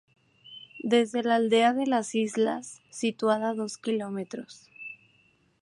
Desde la aldea de Las Islas, situada a dos km.